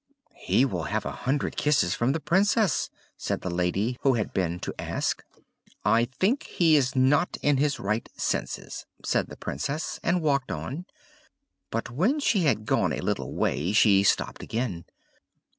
"He will have a hundred kisses from the Princess!" said the lady who had been to ask. "I think he is not in his right senses!" said the Princess, and walked on, but when she had gone a little way, she stopped again.